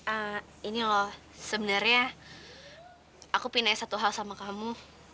ehm ini loh sebenarnya aku pingin nanya satu hal sama kamu